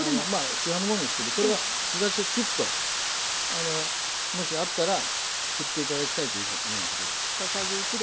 市販のものですけどこれはすだちをきゅっともしあったら振っていただきたいというようなところです。